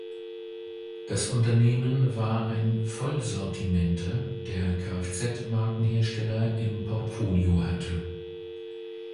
Das Unternehmen war ein Vollsortimenter, der Kfz-Markenhersteller im Portfolio hatte.